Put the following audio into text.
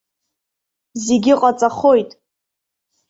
Зегьы ҟаҵахоит!